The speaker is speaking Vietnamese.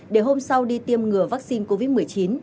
để hôm sau đi tiêm ngừa vaccine covid một mươi chín